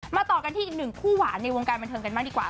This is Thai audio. ต่อกันที่อีกหนึ่งคู่หวานในวงการบันเทิงกันบ้างดีกว่า